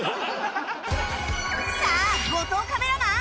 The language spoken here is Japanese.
さあ後藤カメラマン